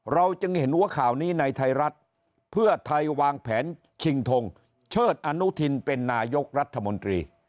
เราจึงเห็นว่าข่าวนี้ในไทยรัฐเพื่อไทยวางแผนชิงทงเชิดอนุทินเป็นนายกรัฐมนตรี